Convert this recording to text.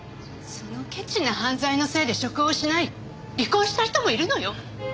そのケチな犯罪のせいで職を失い離婚した人もいるのよ！